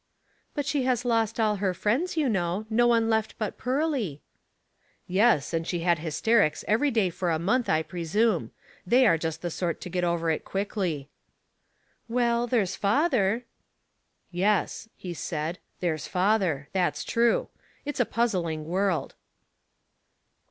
"But she has lost all her friends, you know. No one left but Pearly." " Yes, and she had hysterics every day for a month, I presume ; they are just the sort to get over it quickly." "Well, there's father. "Yes," he said, "there's father — that's true. It's a puzzling world."